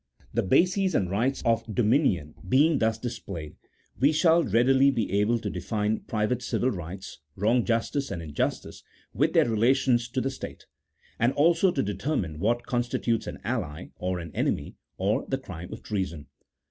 The bases and rights of dominion being thus displayed, we shall readily be able to define private civil right, wrong, justice, and injustice, with their relations to the state ; and also to determine what constitutes an ally, or an enemy, or the crime of treason.